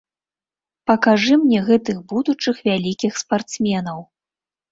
Пакажы мне гэтых будучых вялікіх спартсменаў.